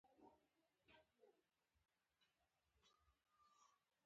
دوی ځانونه د هغه خدای استازي ګڼي.